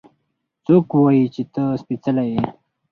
څوک وايي چې ته سپېڅلې يې؟